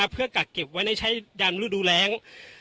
เพื่อกากเก็บไว้ไว้ใช้ดำรูดดูแล้ง